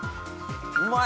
うまい！